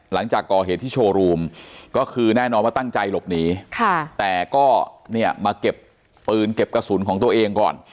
หลังจากก่อเหตุที่โชว์รูมก็คือแน่นอนว่าตั้งใจหลบหนีแต่ก็เนี่ยมาเก็บปืนเก็บกระสุนของตัวเองก่อน